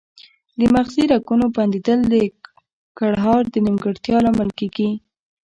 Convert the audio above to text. د مغزي رګونو بندیدل د ګړهار د نیمګړتیا لامل کیږي